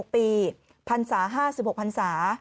๗๖ปีพันศาห้าสิบหกพันศา